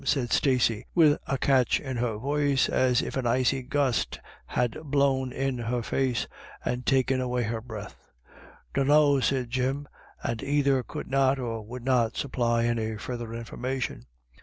said Stacey, with a catch in her voice, as if an icy gust had blown in her face and taken away her breath. "Dunrio," said Jim, and either could not or would not supply any further information.